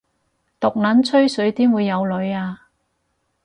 毒撚吹水點會有女吖